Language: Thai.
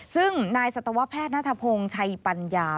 ซึ่งนายสัตวแพทย์นัทพงศ์ชัยปัญญา